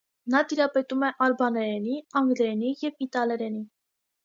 Նա տիրապետում է ալբաներենի, անգլերենի և իտալերենի։